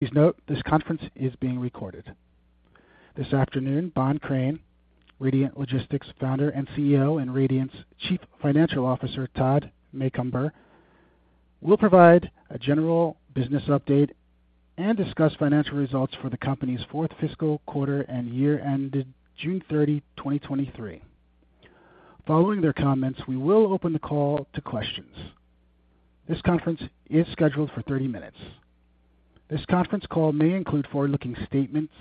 Please note, this conference is being recorded. This afternoon, Bohn Crain, Radiant Logistics Founder and CEO, and Radiant's Chief Financial Officer, Todd Macomber, will provide a general business update and discuss financial results for the company's fourth fiscal quarter and year ended June 30, 2023. Following their comments, we will open the call to questions. This conference is scheduled for 30 minutes. This conference call may include forward-looking statements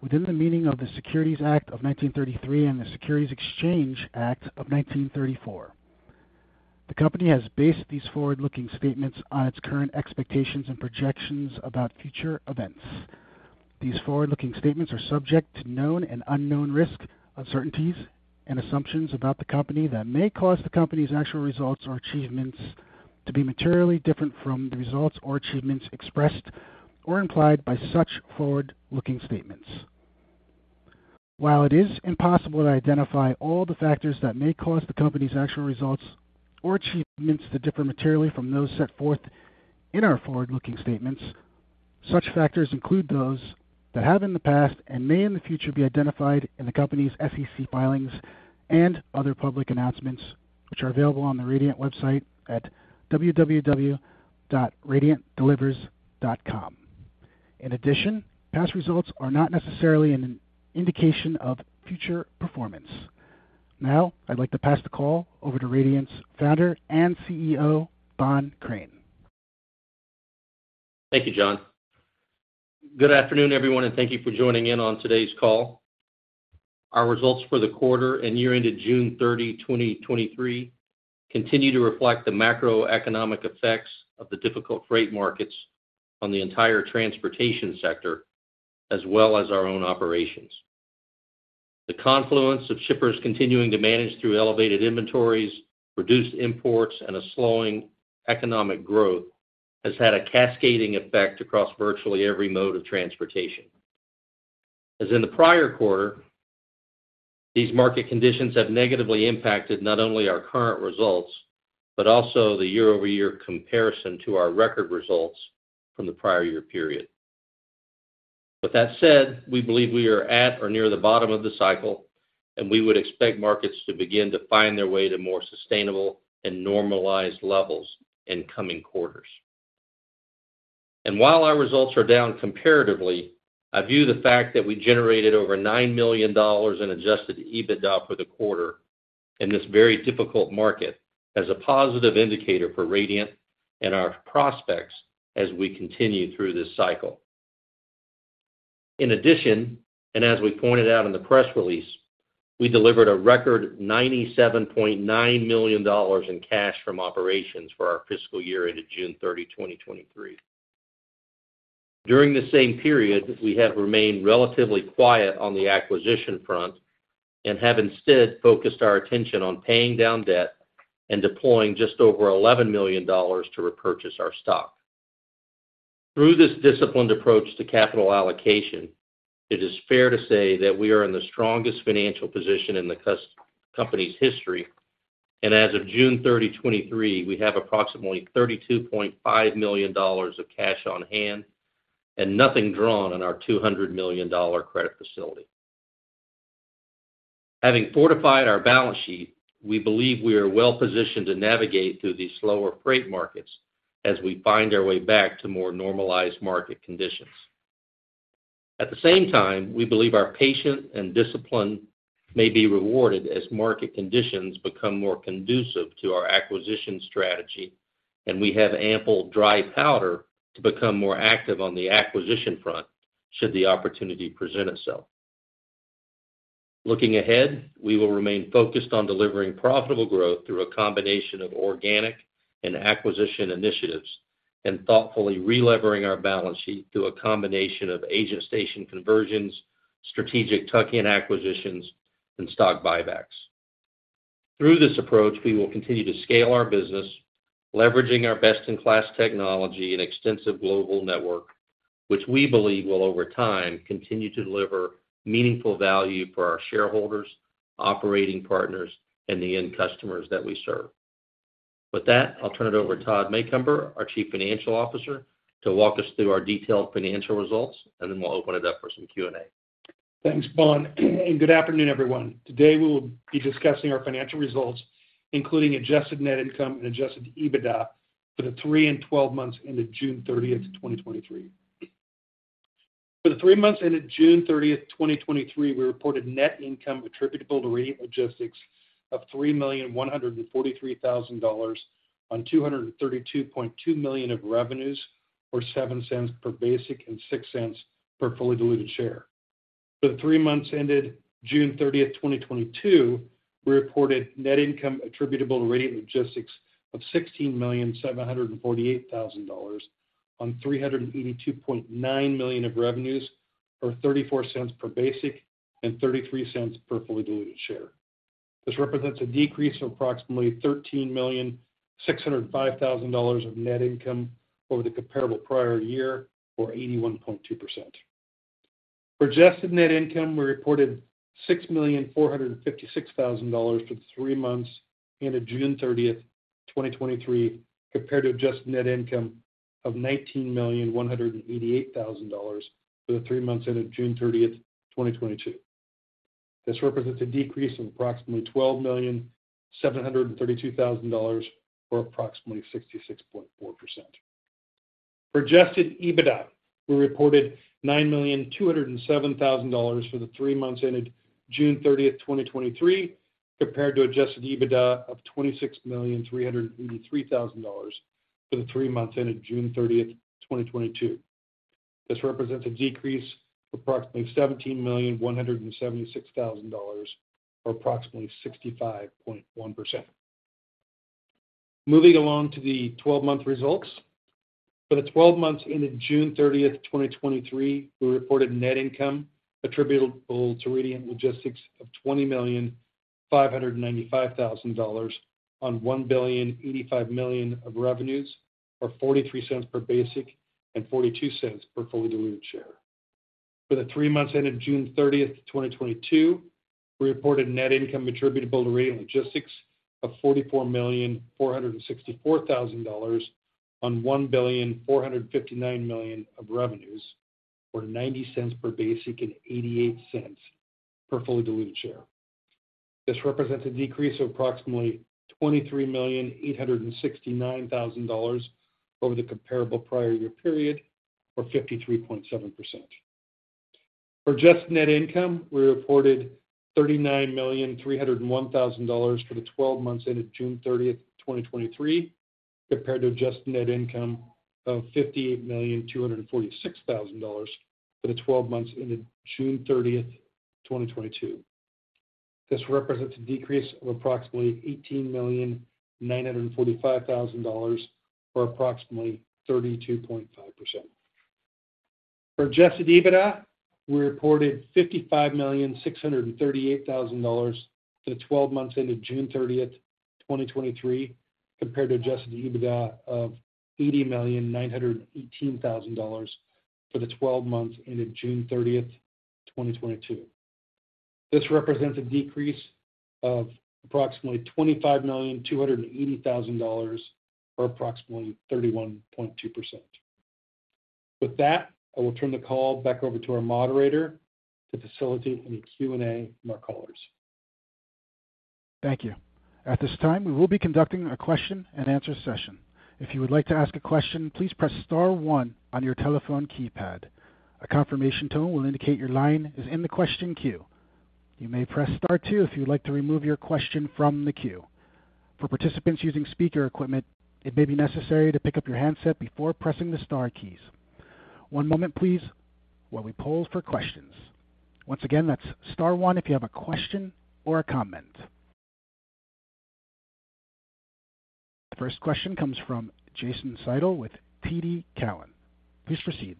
within the meaning of the Securities Act of 1933 and the Securities Exchange Act of 1934. The company has based these forward-looking statements on its current expectations and projections about future events. These forward-looking statements are subject to known and unknown risks, uncertainties and assumptions about the company that may cause the company's actual results or achievements to be materially different from the results or achievements expressed or implied by such forward-looking statements. While it is impossible to identify all the factors that may cause the company's actual results or achievements to differ materially from those set forth in our forward-looking statements, such factors include those that have in the past and may in the future be identified in the company's SEC filings and other public announcements, which are available on the Radiant website at www.radiantdelivers.com. In addition, past results are not necessarily an indication of future performance. Now, I'd like to pass the call over to Radiant's Founder and CEO, Bohn Crain. Thank you, John. Good afternoon, everyone, and thank you for joining in on today's call. Our results for the quarter and year ended June 30, 2023, continue to reflect the macroeconomic effects of the difficult freight markets on the entire transportation sector, as well as our own operations. The confluence of shippers continuing to manage through elevated inventories, reduced imports, and a slowing economic growth has had a cascading effect across virtually every mode of transportation. As in the prior quarter, these market conditions have negatively impacted not only our current results, but also the year-over-year comparison to our record results from the prior year period. With that said, we believe we are at or near the bottom of the cycle, and we would expect markets to begin to find their way to more sustainable and normalized levels in coming quarters. While our results are down comparatively, I view the fact that we generated over $9 million in Adjusted EBITDA for the quarter in this very difficult market as a positive indicator for Radiant and our prospects as we continue through this cycle. In addition, and as we pointed out in the press release, we delivered a record $97.9 million in cash from operations for our fiscal year ended June 30, 2023. During the same period, we have remained relatively quiet on the acquisition front and have instead focused our attention on paying down debt and deploying just over $11 million to repurchase our stock. Through this disciplined approach to capital allocation, it is fair to say that we are in the strongest financial position in the company's history, and as of June 30, 2023, we have approximately $32.5 million of cash on hand and nothing drawn on our $200 million credit facility. Having fortified our balance sheet, we believe we are well positioned to navigate through these slower freight markets as we find our way back to more normalized market conditions. At the same time, we believe our patience and discipline may be rewarded as market conditions become more conducive to our acquisition strategy, and we have ample dry powder to become more active on the acquisition front should the opportunity present itself. Looking ahead, we will remain focused on delivering profitable growth through a combination of organic and acquisition initiatives, and thoughtfully relevering our balance sheet through a combination of agent station conversions, strategic tuck-in acquisitions, and stock buybacks. Through this approach, we will continue to scale our business, leveraging our best-in-class technology and extensive global network, which we believe will, over time, continue to deliver meaningful value for our shareholders, operating partners, and the end customers that we serve. of $20.595 million on $1.085 billion of revenues, or $0.43 per basic and $0.42 per fully diluted share. For the three months ended June 30, 2022, we reported net income attributable to Radiant Logistics of $44.464 million on $1.459 billion of revenues, or $0.90 per basic and $0.88 per fully diluted share. This represents a decrease of approximately $23,869,000 over the comparable prior year period, or 53.7%. For Adjusted Net Income, we reported $39,301,000 for the twelve months ended June 30, 2023, compared to Adjusted Net Income of $58,246,000 for the twelve months ended June 30, 2022. This represents a decrease of approximately $18,945,000, or approximately 32.5%. For Adjusted EBITDA, we reported $55,638,000 for the twelve months ended June 30, 2023, compared to Adjusted EBITDA of $80,918,000 for the twelve months ended June 30, 2022. This represents a decrease of approximately $25,280,000, or approximately 31.2%. With that, I will turn the call back over to our moderator to facilitate any Q&A from our callers. Thank you. At this time, we will be conducting a question and answer session. If you would like to ask a question, please press star one on your telephone keypad. A confirmation tone will indicate your line is in the question queue. You may press star two if you would like to remove your question from the queue. For participants using speaker equipment, it may be necessary to pick up your handset before pressing the star keys. One moment, please, while we poll for questions. Once again, that's star one if you have a question or a comment. The first question comes from Jason Seidl with TD Cowen. Please proceed.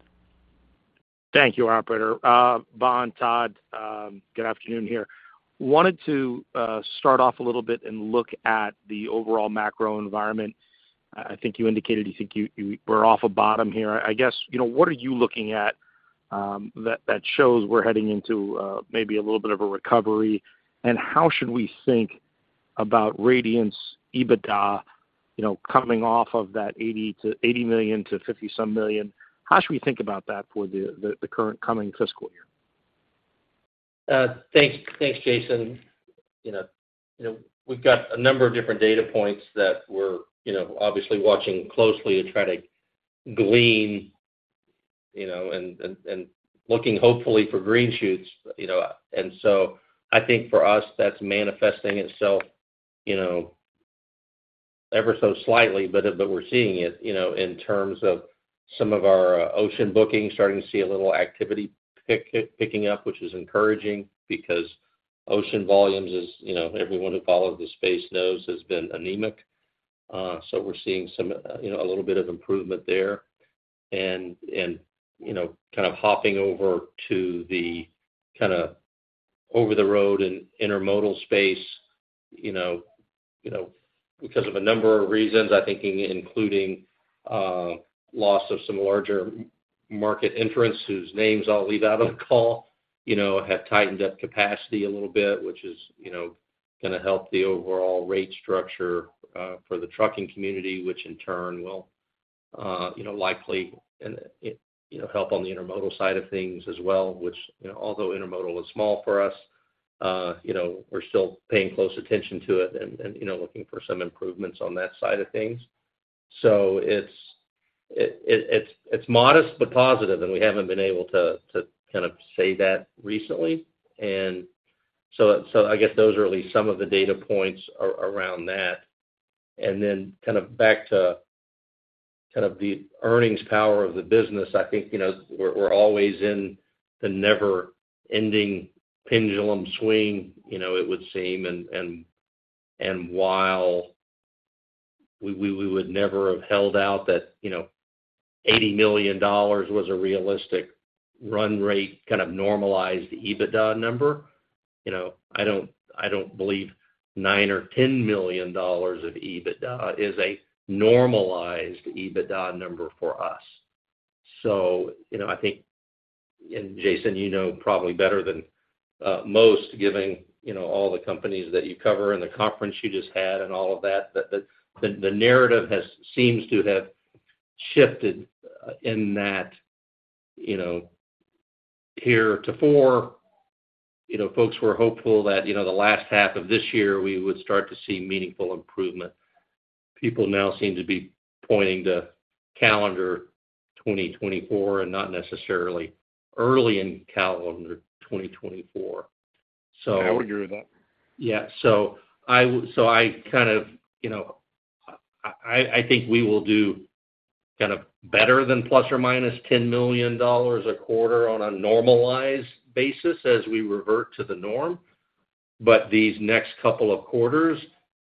Thank you, operator. Bohn, Todd, good afternoon here. Wanted to start off a little bit and look at the overall macro environment. I think you indicated you think you were off a bottom here. I guess, you know, what are you looking at that shows we're heading into maybe a little bit of a recovery? And how should we think about Radiant's EBITDA, you know, coming off of that $80 million to $50-some million? How should we think about that for the current coming fiscal year? Thanks. Thanks, Jason. You know, you know, we've got a number of different data points that we're, you know, obviously watching closely to try to glean, you know, and looking hopefully for green shoots. You know, and so I think for us, that's manifesting itself, you know, ever so slightly, but we're seeing it, you know, in terms of some of our ocean bookings starting to see a little activity picking up, which is encouraging because ocean volumes is, you know, everyone who followed the space knows, has been anemic. So we're seeing some, you know, a little bit of improvement there. And, you know, kind of hopping over to the kind of over-the-road and intermodal space, you know, you know, because of a number of reasons, I think, including, loss of some larger market entrants, whose names I'll leave out of the call, you know, have tightened up capacity a little bit, which is, you know, gonna help the overall rate structure, for the trucking community, which in turn will, you know, likely, and, you know, help on the intermodal side of things as well, which, you know, although intermodal is small for us, you know, we're still paying close attention to it and, you know, looking for some improvements on that side of things. So it's modest but positive, and we haven't been able to kind of say that recently. So I guess those are at least some of the data points around that. And then kind of back to kind of the earnings power of the business. I think, you know, we're always in the never-ending pendulum swing, you know, it would seem. And while we would never have held out that, you know, $80 million was a realistic run rate, kind of normalized EBITDA number.... you know, I don't, I don't believe $9 million or $10 million of EBITDA is a normalized EBITDA number for us. So, you know, I think, and Jason, you know, probably better than most, giving, you know, all the companies that you cover and the conference you just had and all of that, that the narrative has seems to have shifted, in that, you know, heretofore, you know, folks were hopeful that, you know, the last half of this year we would start to see meaningful improvement. People now seem to be pointing to calendar 2024, and not necessarily early in calendar 2024. So- I would agree with that. Yeah. So I kind of, you know, I think we will do kind of better than ±$10 million a quarter on a normalized basis as we revert to the norm. But these next couple of quarters,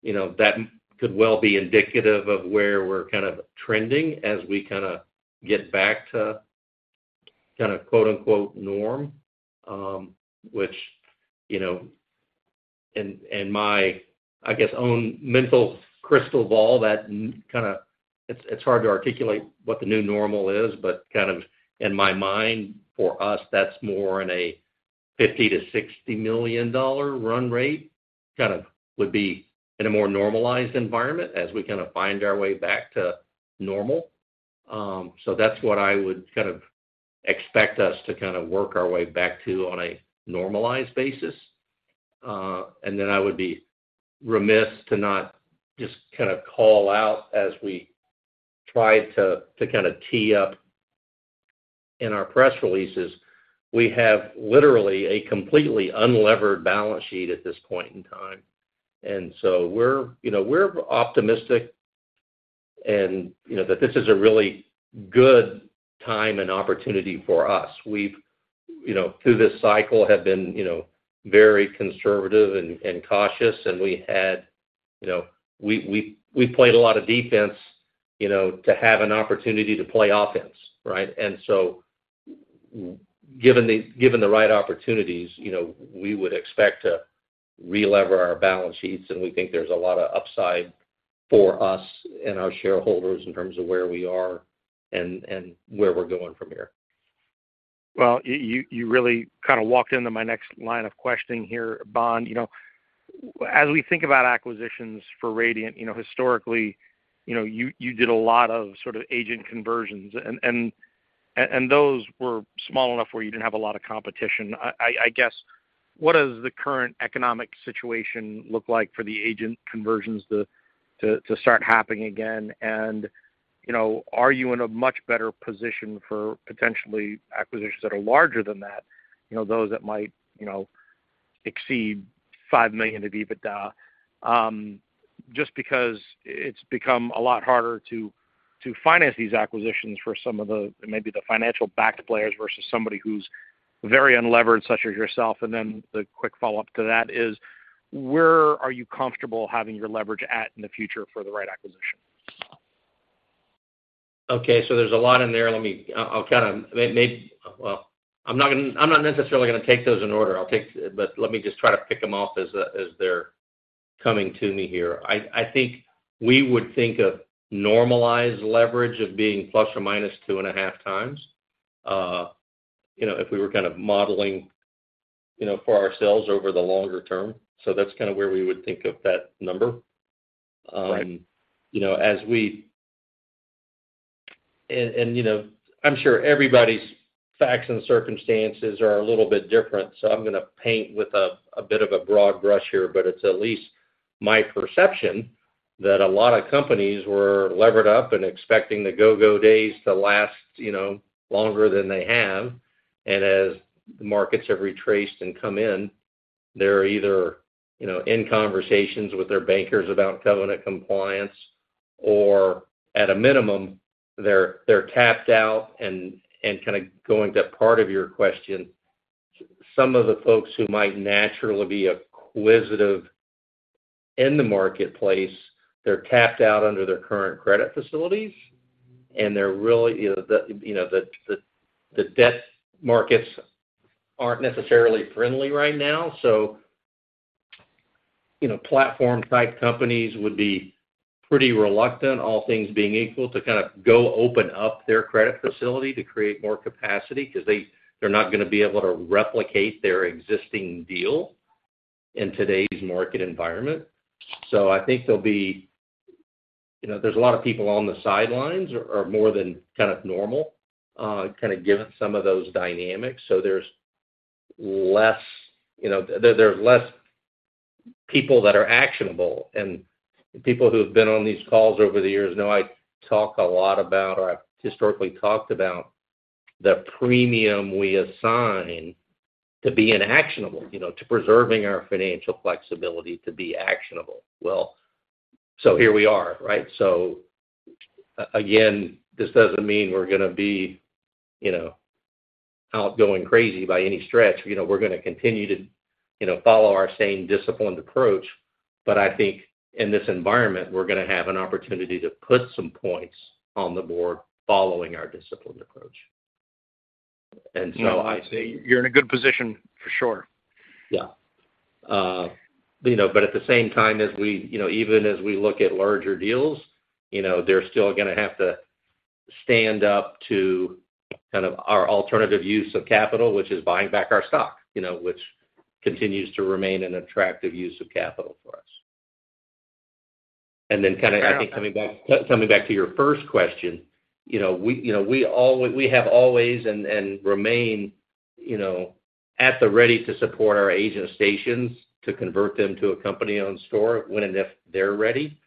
you know, that could well be indicative of where we're kind of trending as we kinda get back to kinda, quote, unquote, "norm," which, you know. And my, I guess, own mental crystal ball, that kind of, it's hard to articulate what the new normal is, but kind of in my mind, for us, that's more in a $50-$60 million run rate, kind of would be in a more normalized environment as we kinda find our way back to normal. So that's what I would kind of expect us to kind of work our way back to on a normalized basis. And then I would be remiss to not just kind of call out as we try to, to kind of tee up in our press releases, we have literally a completely unlevered balance sheet at this point in time. And so we're, you know, we're optimistic and, you know, that this is a really good time and opportunity for us. We've, you know, through this cycle, have been, you know, very conservative and, and cautious, and we had you know, we, we, we played a lot of defense, you know, to have an opportunity to play offense, right? Given the right opportunities, you know, we would expect to relever our balance sheets, and we think there's a lot of upside for us and our shareholders in terms of where we are and where we're going from here. Well, you really kind of walked into my next line of questioning here, Bohn. You know, as we think about acquisitions for Radiant, you know, historically, you know, you did a lot of sort of agent conversions, and those were small enough where you didn't have a lot of competition. I guess, what does the current economic situation look like for the agent conversions to start happening again? And, you know, are you in a much better position for potentially acquisitions that are larger than that, you know, those that might, you know, exceed $5 million of EBITDA? Just because it's become a lot harder to finance these acquisitions for some of the, maybe the financial backed players, versus somebody who's very unlevered, such as yourself. And then the quick follow-up to that is, where are you comfortable having your leverage at in the future for the right acquisition? Okay, so there's a lot in there. I'm not necessarily gonna take those in order, but let me just try to pick them off as they're coming to me here. I think we would think of normalized leverage of being ±2.5x, you know, if we were kind of modeling, you know, for ourselves over the longer term. So that's kind of where we would think of that number. Right. You know, I'm sure everybody's facts and circumstances are a little bit different, so I'm gonna paint with a bit of a broad brush here, but it's at least my perception that a lot of companies were levered up and expecting the go-go days to last, you know, longer than they have. And as the markets have retraced and come in, they're either, you know, in conversations with their bankers about covenant compliance, or at a minimum, they're tapped out. And kind of going to part of your question, some of the folks who might naturally be acquisitive in the marketplace, they're tapped out under their current credit facilities, and they're really, you know, the debt markets aren't necessarily friendly right now. So, you know, platform-type companies would be pretty reluctant, all things being equal, to kind of go open up their credit facility to create more capacity, 'cause they- they're not gonna be able to replicate their existing deal in today's market environment. So I think there'll be... You know, there's a lot of people on the sidelines, or more than kind of normal, kind of given some of those dynamics. So there's less, you know, there's less people that are actionable. And people who have been on these calls over the years know I talk a lot about, or I've historically talked about, the premium we assign to being actionable, you know, to preserving our financial flexibility to be actionable. Well, so here we are, right? So a- again, this doesn't mean we're gonna be, you know, out going crazy by any stretch. You know, we're gonna continue to, you know, follow our same disciplined approach, but I think in this environment, we're gonna have an opportunity to put some points on the board following our disciplined approach.... No, I see you're in a good position for sure. Yeah. You know, but at the same time, as we, you know, even as we look at larger deals, you know, they're still gonna have to stand up to kind of our alternative use of capital, which is buying back our stock, you know, which continues to remain an attractive use of capital for us. And then kind of, I think, coming back, coming back to your first question, you know, we, you know, we, we have always and remain, you know, at the ready to support our agent stations, to convert them to a company-owned store when and if they're ready.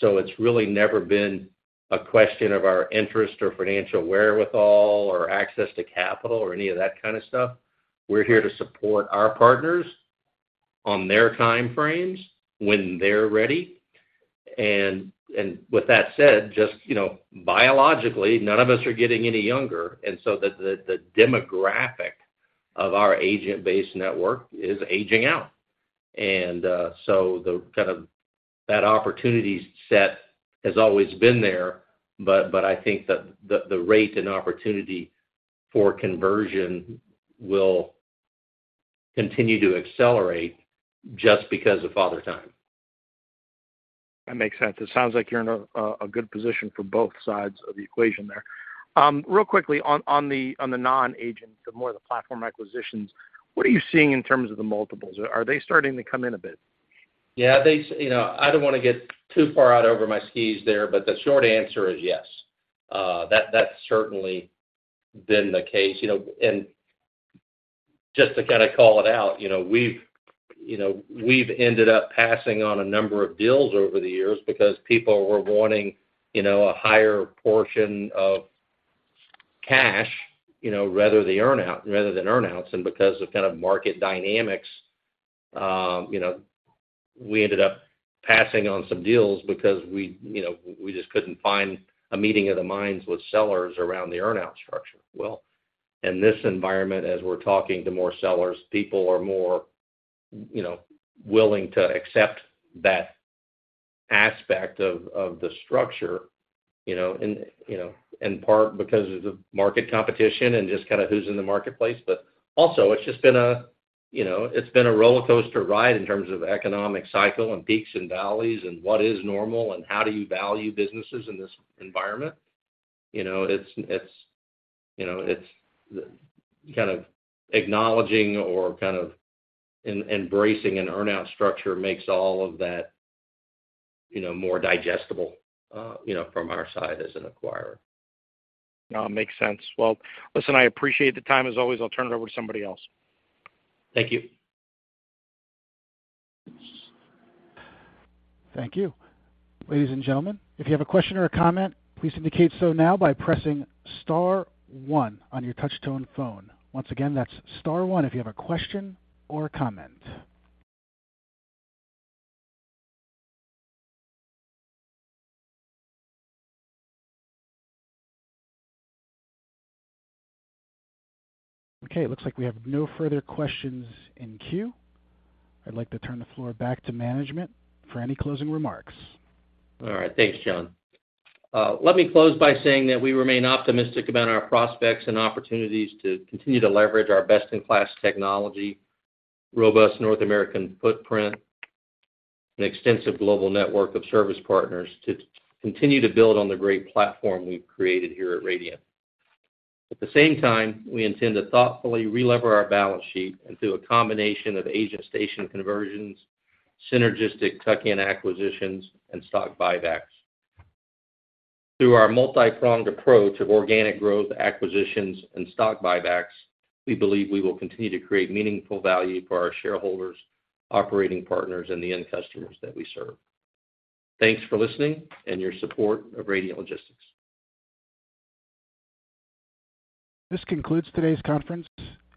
So it's really never been a question of our interest or financial wherewithal or access to capital or any of that kind of stuff. We're here to support our partners on their time frames when they're ready. And with that said, just, you know, biologically, none of us are getting any younger, and so the demographic of our agent-based network is aging out. And so the kind of... That opportunity set has always been there, but I think that the rate and opportunity for conversion will continue to accelerate just because of father time. That makes sense. It sounds like you're in a good position for both sides of the equation there. Real quickly, on the non-agent, the more the platform acquisitions, what are you seeing in terms of the multiples? Are they starting to come in a bit? Yeah, you know, I don't wanna get too far out over my skis there, but the short answer is yes. That, that's certainly been the case. You know, and just to kinda call it out, you know, we've, you know, we've ended up passing on a number of deals over the years because people were wanting, you know, a higher portion of cash, you know, rather the earnout, rather than earnouts. And because of kind of market dynamics, you know, we ended up passing on some deals because we, you know, we just couldn't find a meeting of the minds with sellers around the earnout structure. Well, in this environment, as we're talking to more sellers, people are more, you know, willing to accept that aspect of, of the structure, you know, and, you know, in part because of the market competition and just kind of who's in the marketplace. But also, it's just been a, you know, it's been a rollercoaster ride in terms of economic cycle and peaks and valleys and what is normal and how do you value businesses in this environment. You know, it's, you know, it's kind of acknowledging or kind of embracing an earnout structure makes all of that, you know, more digestible, you know, from our side as an acquirer. No, makes sense. Well, listen, I appreciate the time, as always. I'll turn it over to somebody else. Thank you. Thank you. Ladies and gentlemen, if you have a question or a comment, please indicate so now by pressing star one on your touch tone phone. Once again, that's star one if you have a question or a comment. Okay, it looks like we have no further questions in queue. I'd like to turn the floor back to management for any closing remarks. All right. Thanks, John. Let me close by saying that we remain optimistic about our prospects and opportunities to continue to leverage our best-in-class technology, robust North American footprint, and extensive global network of service partners to continue to build on the great platform we've created here at Radiant. At the same time, we intend to thoughtfully relever our balance sheet and through a combination of Agent Station Conversions, synergistic Tuck-in Acquisitions, and stock buybacks. Through our multipronged approach of organic growth, acquisitions, and stock buybacks, we believe we will continue to create meaningful value for our shareholders, operating partners, and the end customers that we serve. Thanks for listening and your support of Radiant Logistics. This concludes today's conference,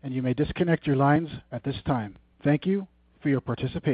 and you may disconnect your lines at this time. Thank you for your participation.